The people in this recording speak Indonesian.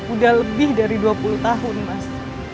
udah lebih dari dua puluh tahun mas